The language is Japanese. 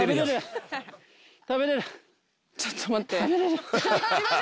ちょっと待って。